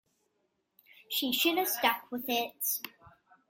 She should have stuck with it.